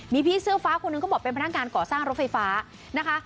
มีพี่เสื้อฟ้าคนหนึ่งก็บอกเป็นพนักงานก่อสร้างรถไฟฟ้านะคะ